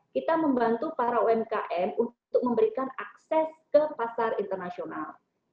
kita membantu para umkm untuk memberikan akses ke pasar internasional